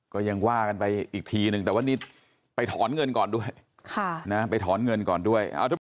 ก็ยังว่ากันไปอีกทีนึงแต่ว่านิดไปถอนเงินก่อนด้วยไปถอนเงินก่อนด้วย